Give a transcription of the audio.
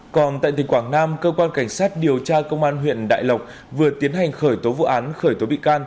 còn tại tỉnh quảng nam cơ quan cảnh sát điều tra công an huyện đại lộc vừa tiến hành khởi tố vụ án khởi tố bị can